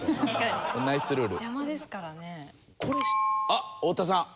あっ太田さん。